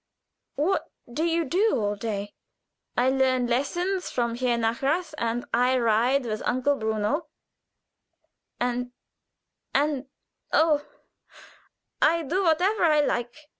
"What do you do all day?" "I learn lessons from Herr Nahrath, and I ride with Uncle Bruno, and and oh! I do whatever I like.